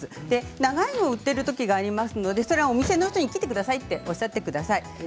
長いものを売っているものがありますのでお店の人に切ってくださいとおっしゃってください。